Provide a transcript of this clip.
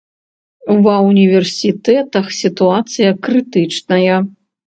Ва ўніверсітэтах сітуацыя крытычная.